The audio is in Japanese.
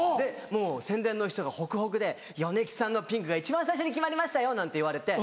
もう宣伝の人がほくほくで米吉さんのピンクが一番最初に決まりましたよ！なんて言われて。